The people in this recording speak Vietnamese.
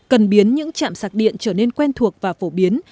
cần biến những chạm sạc điện trở nên quen thuộc và phổ biến